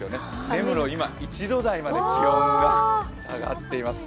根室、今、１度台まで気温が下がっています。